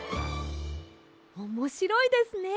おもしろいですね！